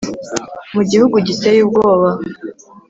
mu gihugu giteye ubwoba,